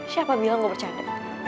siapa bilang gue bercanda